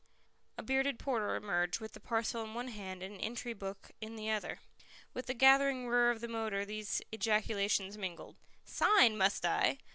A bearded porter emerged with the parcel in one hand and an entry book in the other. With the gathering whir of the motor these ejaculations mingled: "Sign, must I?